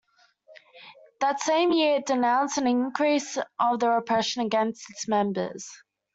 That same year it denounced an "increase of the repression against its members".